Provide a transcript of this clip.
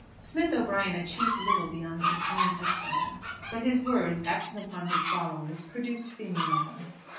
Smith O'Brien achieved little beyond his own exile; but his words, acting upon his followers, produced Fenianism.